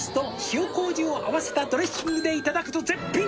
「塩麹を合わせたドレッシングでいただくと絶品」